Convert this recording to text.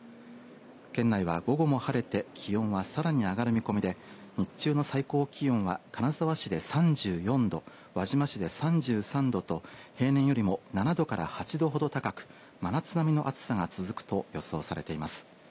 県内は午後も晴れて気温はさらに上がる見込みで日中の最高気温は金沢市で３４度輪島市で３３度と平年よりも７度から８度ほど高く真夏並みの暑さがつづくと予想されています。